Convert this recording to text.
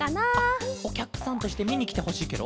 おきゃくさんとしてみにきてほしいケロ？